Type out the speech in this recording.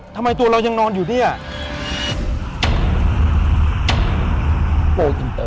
โปรอินเตอร์แล้ว